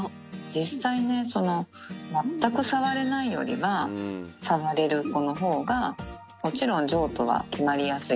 実際ね、全く触れないよりは、触れる子のほうがもちろん譲渡は決まりやすい。